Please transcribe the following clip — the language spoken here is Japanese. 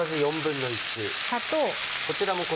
砂糖。